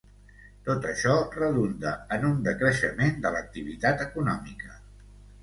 Tot això redunda en un decreixement de l’activitat econòmica.